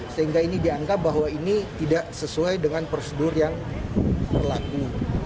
sehingga ini dianggap bahwa ini tidak sesuai dengan prosedur yang berlaku